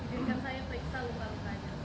bila menjadikan saya periksa lupa lupanya